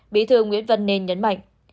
bí thư nguyễn văn nền nhấn mạnh